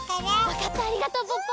わかったありがとうポッポ。